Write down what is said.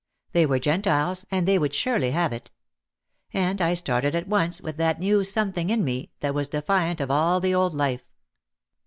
They were Gentiles and they would surely have it. And I started at once with that new something in me that was defiant of all the old life.